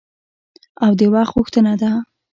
او د وخت غوښتنه ده.